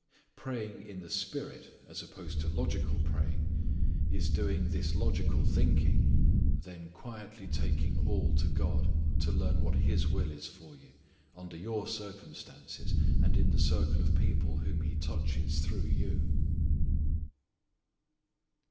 Praying in the Spirit as opposed to logical praying is doing this logical thinking: then quietly taking all to God, to learn what His will is for you, under your circumstances, and in the circle of people whom He touches through you.